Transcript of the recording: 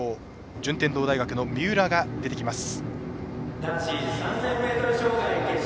順天堂大学の三浦が出てきます。